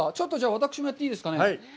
私もやっていいですかね？